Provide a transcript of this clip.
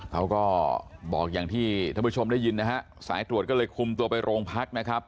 เขาก็บอกอย่างที่ท่านผู้ชมได้ยินนะฮะสายตรวจก็เลยคุมตัวไปโรงพักนะครับ